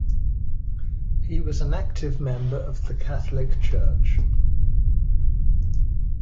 He was an active member of the Catholic church.